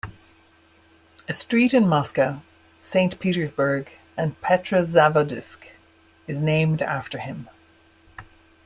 A street in Moscow, Saint Petersburg and Petrozavodsk is named after him.